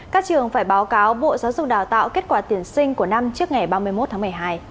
các trường phải báo cáo bộ giáo dục đào tạo kết quả tuyển sinh của năm trước ngày ba mươi một tháng một mươi hai